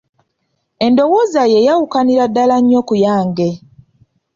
Endowooza yo eyawukanira ddala nnyo kuyange.